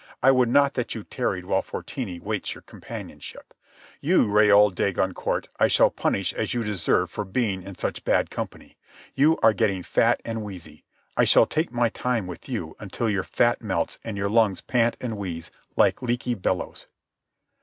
I would not that you tarried while Fortini waits your companionship. You, Raoul de Goncourt, I shall punish as you deserve for being in such bad company. You are getting fat and wheezy. I shall take my time with you until your fat melts and your lungs pant and wheeze like leaky bellows.